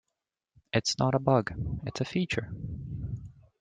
It's not a bug, it's a feature!